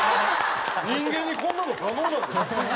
人間にこんなの可能なんですか？